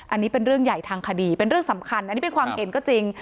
อันนี้เป็นเรื่องใหญ่ทางคดีเป็นเรื่องสำคัญอันนี้เป็นความเห็นก็จริง